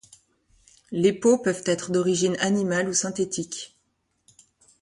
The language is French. Les peaux peuvent être d'origine animale ou synthétique.